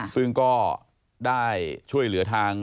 ซึ่งก็ได้ช่วยเหลือทาง